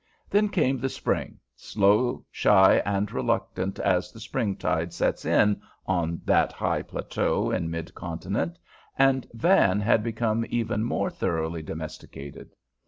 Then came the spring, slow, shy, and reluctant as the springtide sets in on that high plateau in mid continent, and Van had become even more thoroughly domesticated.